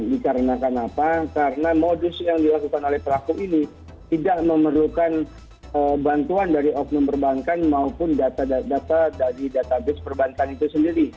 dikarenakan apa karena modus yang dilakukan oleh pelaku ini tidak memerlukan bantuan dari oknum perbankan maupun data dari database perbankan itu sendiri